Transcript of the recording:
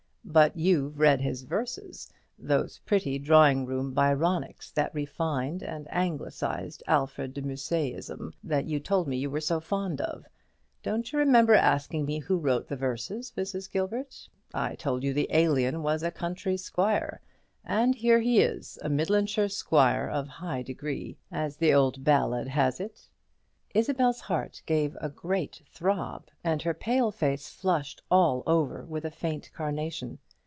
"But you've read his verses; those pretty drawing room Byronics, that refined and anglicised Alfred de Musset ism, that you told me you are so fond of: don't you remember asking me who wrote the verses, Mrs. Gilbert? I told you the Alien was a country squire; and here he is a Midlandshire squire of high degree, as the old ballad has it." Isabel's heart gave a great throb, and her pale face flushed all over with a faint carnation.